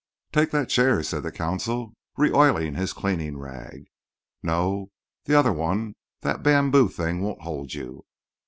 "Take that chair," said the consul, reoiling his cleaning rag. "No, the other one—that bamboo thing won't hold you.